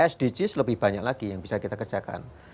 sdgs lebih banyak lagi yang bisa kita kerjakan